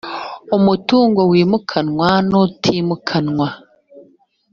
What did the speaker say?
umutungo wimikanwa n utimukanwa